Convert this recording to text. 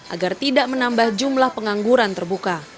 agar tidak menambah jumlah pengangguran terbuka